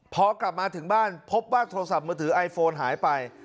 พอกลับมาถึงบ้านพบว่าโทรศัพท์มือถือไอโฟนหายไป